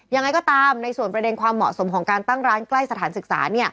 ยังไงก็ตามในส่วนประเด็นความเหมาะสมของการตั้งร้านใกล้สถานศึกษา